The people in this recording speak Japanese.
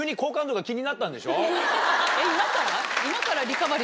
今から？